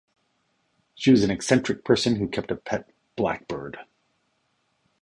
She was an eccentric person who kept a pet blackbird.